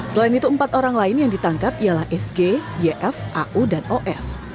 selain itu empat orang lain yang ditangkap ialah sg yf au dan os